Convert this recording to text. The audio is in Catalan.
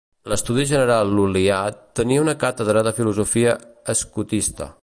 L'Estudi General Lul·lià tenia una càtedra de filosofia escotista.